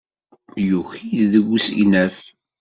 Yuki-d deg usegnaf.